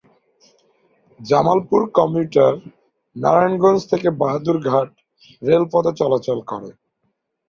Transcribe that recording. Jamalpur commutator Narayanganj-Bahadurabad ঘাট রেলপথে চলাচল করে।